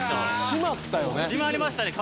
締まりましたね